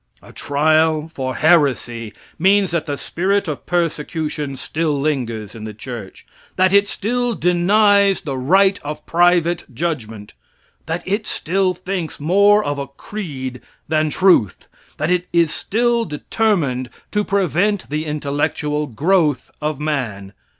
A trial for heresy means that the spirit of persecution still lingers in the church; that it still denies the right of private judgment; that it still thinks more of creed than truth; that it is still determined to prevent the intellectual growth of man.